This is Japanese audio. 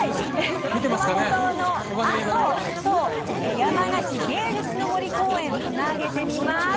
熊本の阿蘇と山梨の芸術の森公園をつなげてみます。